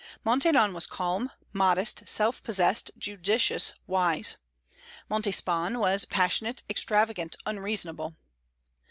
Maintenon was calm, modest, self possessed, judicious, wise; Montespan was passionate, extravagant, unreasonable.